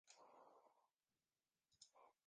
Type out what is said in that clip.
El epíteto específico ""luteus"" significa "amarillo".